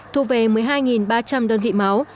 thu về một mươi hai ba trăm linh đơn vị máu